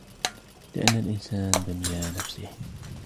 لِأَنَّ الْإِنْسَانَ دُنْيَا نَفْسِهِ